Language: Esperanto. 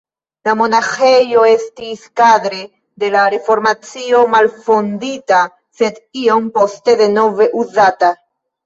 La monaĥejo estis kadre de la Reformacio malfondita, sed iom poste denove uzata.